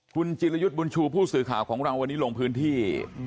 คุณจิรยุทธ์บุญชูผู้สื่อข่าวของเราวันนี้ลงพื้นที่